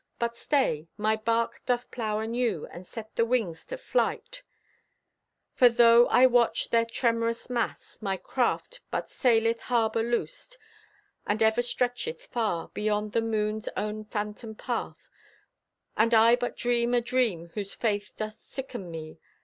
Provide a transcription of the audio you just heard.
But stay! My barque doth plow anew, and set the wings to flight; For though I watch their tremorous mass, my craft But saileth harbor loosed, and ever stretcheth far Beyond the moon's own phantom path— And I but dream a dream whose fruit doth sicken me.